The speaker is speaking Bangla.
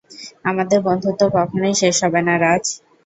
আমাদের বন্ধুত্ব কখনই শেষ হবে না, রাজ।